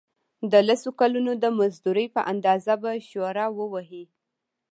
د لسو کلونو د مزدورۍ په اندازه به شوړه ووهي.